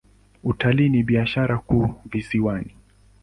Utalii ni biashara kuu visiwani.